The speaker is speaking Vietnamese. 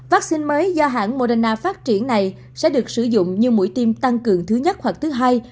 vaccine mới do hãng moderna phát triển này sẽ được sử dụng như mũi tiêm tăng cường thứ nhất hoặc thứ hai